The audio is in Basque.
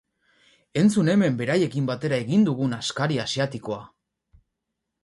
Entzun hemen beraiekin batera egin dugun askari asiatikoa!